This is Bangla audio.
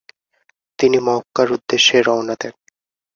তিনি মক্কার উদ্দেশ্যে রওনা দেন।